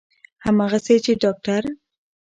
همغسې چې د داکتر